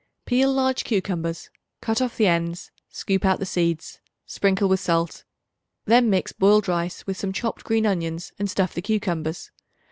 Peel large cucumbers; cut off the ends; scoop out the seeds; sprinkle with salt. Then mix boiled rice with some chopped green onions and stuff the cucumbers.